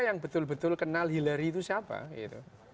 yang betul betul kenal hillary itu siapa gitu